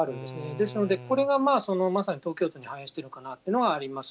ですので、これがまさに東京都に反映しているのかなっていうのはあります。